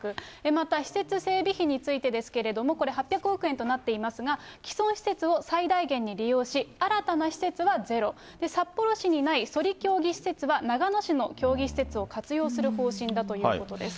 また施設整備費についてですけれども、これ８００億円となっていますが、既存施設を最大限に利用し、新たな施設はゼロ、札幌市にないそり競技施設は長野市の競技施設を活用する方針だということです。